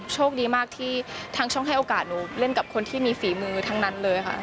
โชคดีมากที่ทางช่องให้โอกาสหนูเล่นกับคนที่มีฝีมือทั้งนั้นเลยค่ะ